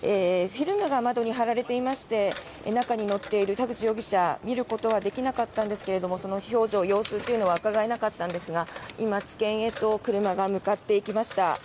フィルムが窓に貼られていまして中に乗っている田口容疑者を見ることはできなかったんですがその表情、様子というのはうかがえなかったんですが今、地検へと車が向かっていきました。